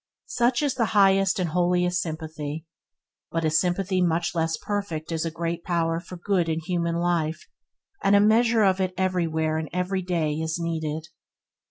Such is the highest and holiest sympathy, but a sympathy much less perfect is a great power for good in human life and a measure of it is everywhere and every day needed.